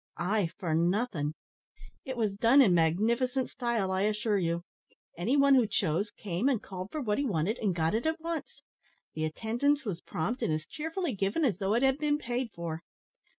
"Ay, for nothing. It was done in magnificent style, I assure you. Any one who chose came and called for what he wanted, and got it at once. The attendance was prompt, and as cheerfully given as though it had been paid for.